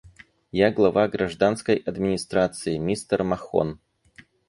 Я глава гражданской администрации, мистер Махон.